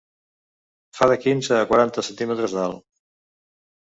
Fa de quinze a quaranta centímetres d'alt.